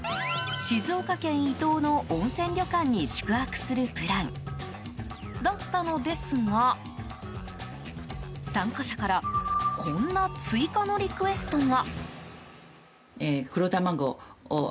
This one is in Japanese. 静岡県伊東の温泉旅館に宿泊するプランだったのですが参加者からこんな追加のリクエストが。